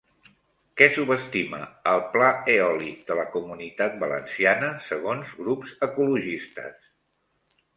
Què subestima el Pla Eòlic de la Comunitat Valenciana segons grups ecologistes?